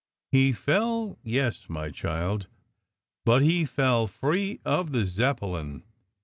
"He fell, yes, my child. But he fell free of the Zeppelin.